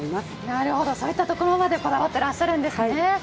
なるほど、そういったところまで、こだわってるんですね。